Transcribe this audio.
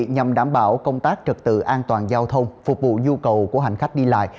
nhằm đảm bảo công tác trực tự an toàn giao thông phục vụ nhu cầu của hành khách đi lại